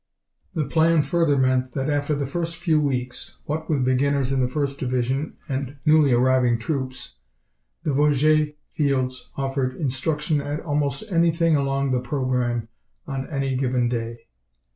The plan further meant that after the first few weeks, what with beginners in the First Division and newly arriving troops, the Vosges fields offered instruction at almost anything along the programme on any given day.